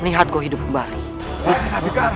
nihat kau hidup kembali